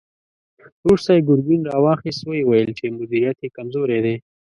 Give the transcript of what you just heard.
وروسته يې ګرګين را واخيست، ويې ويل چې مديريت يې کمزوری دی.